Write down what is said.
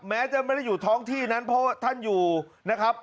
แม้จะไม่ได้อยู่ท้องที่นั้นเพราะว่าท่านอยู่นะครับ